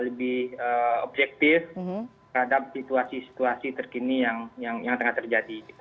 lebih objektif terhadap situasi situasi terkini yang tengah terjadi